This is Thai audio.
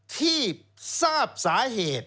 ที่ทราบสาเหตุ